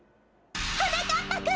はなかっぱくん！